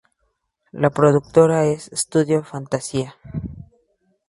La productora es Studio Fantasia.